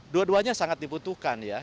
dua duanya sangat dibutuhkan ya